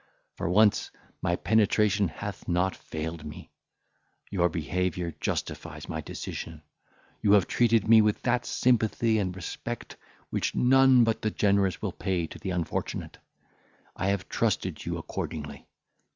For once, my penetration hath not failed me; your behaviour justifies my decision; you have treated me with that sympathy and respect which none but the generous will pay to the unfortunate. I have trusted you accordingly.